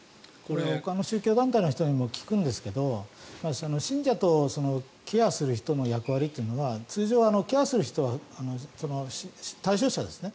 ほかの宗教団体の人にも聞くんですが信者とケアする人の役割は通常、ケアする人は対象者ですね。